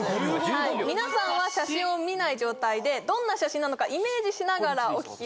皆さんは写真を見ない状態でどんな写真なのかイメージしながらお聴きください